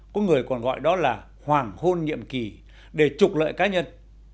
có người còn gọi đó là hoàng hôn nhiệm kỳ để trục lợi cá nhân